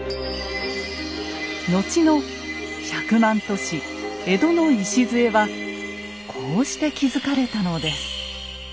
後の百万都市江戸の礎はこうして築かれたのです。